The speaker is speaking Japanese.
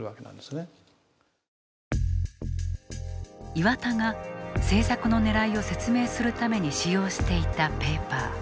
岩田が政策のねらいを説明するために使用していたペーパー。